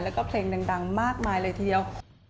แล้วก็เพลงดังมากมายเลยทีเดียว